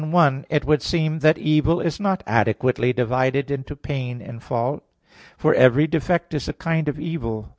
] Objection 1: It would seem that evil is not adequately divided into pain and fault. For every defect is a kind of evil.